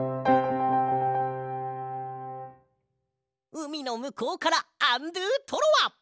うみのむこうからアンドゥトロワ！